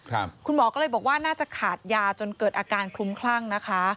คุณหมอก็เลยบอกว่าน่าจะขาดยาจนเกิดอาการคลุ้มคลั่งนะคะ